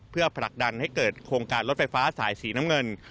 เพื่อผลักดันให้เกิดโครงการรถไฟฟ้าสายสีน้ำเงิน